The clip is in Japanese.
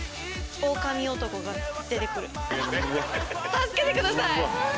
助けてください！